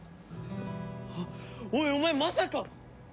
あっおいお前まさか！